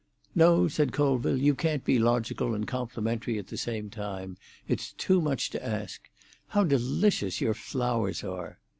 "No," said Colville; "you can't be logical and complimentary at the same time. It's too much to ask. How delicious your flowers are!"